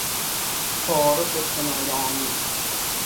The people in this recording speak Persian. تعارف کنایه آمیز